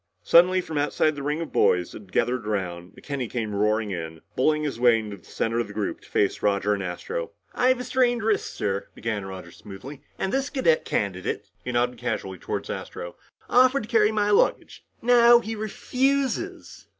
Suddenly from outside the ring of boys that had gathered around, McKenny came roaring in, bulling his way to the center of the group to face Roger and Astro. "I have a strained wrist, sir," began Roger smoothly. "And this cadet candidate" he nodded casually toward Astro "offered to carry my luggage. Now he refuses."